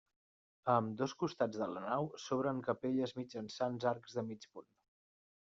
A ambdós costats de la nau s'obren capelles mitjançant arcs de mig punt.